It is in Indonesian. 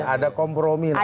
ada kompromi namanya